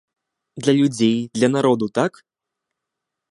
Для людзей, для народу, так?